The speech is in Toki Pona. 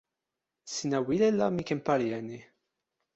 sina wile la mi ken pali e ni.